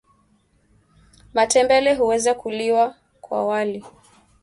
Matembele huweza kuliwa kwa wali